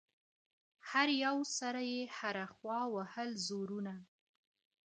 هر يو سر يې هره خوا وهل زورونه